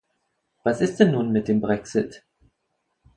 Was ist denn nun mit dem Brexit?